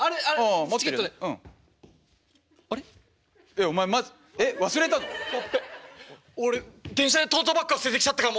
やっべ俺電車にトートバッグ忘れてきちゃったかも。